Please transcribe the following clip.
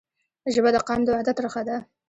ژبه د قام د وحدت رښه ده.